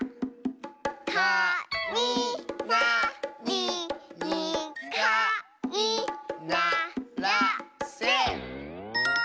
「かみなりにかいならせ」。